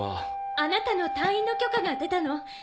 あなたの退院の許可が出たの。